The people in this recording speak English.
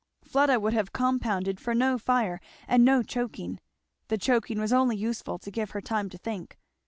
Fleda would have compounded for no fire and no choking. The choking was only useful to give her time to think.